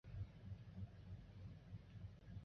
之后甚至将商那和修改成是末田底迦弟子。